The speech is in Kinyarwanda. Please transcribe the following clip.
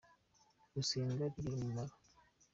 Gusenga bigira umumaro.